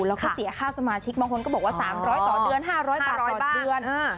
แล้วก็เสียค่าสมาชิกบางคนก็บอกว่า๓๐๐ต่อเดือน๕๐๐บาทต่อเดือน